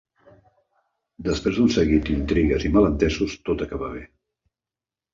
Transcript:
Després d'un seguit d'intrigues i malentesos, tot acaba bé.